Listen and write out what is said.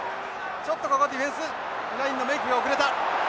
ちょっとここディフェンスラインのメークが遅れた。